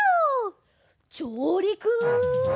じょうりく！